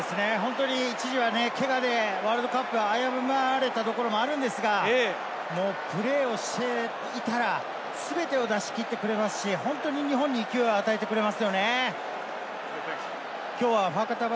一時はけがでワールドカップは危ぶまれたところもあるんですが、プレーをしていたら全てを出し切ってくれますし、本当に日本に勢いを与えてくれますよね。